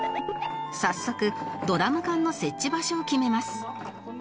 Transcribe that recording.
早速ドラム缶の設置場所を決めます